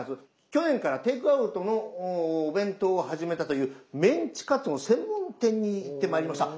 去年からテイクアウトのお弁当を始めたというメンチカツの専門店に行ってまいりました。